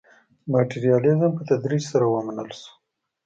ماټریالیزم په تدریج سره ومنل شو.